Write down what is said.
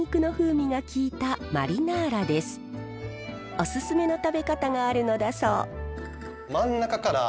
おすすめの食べ方があるのだそう。